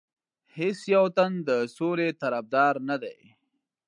هیڅ یو تن د سولې طرفدار نه دی.